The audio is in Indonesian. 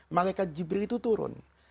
malaikat jibril itu turun